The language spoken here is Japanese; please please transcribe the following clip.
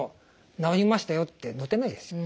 「治りましたよ」って載ってないですよね。